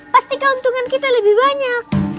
pasti keuntungan kita lebih banyak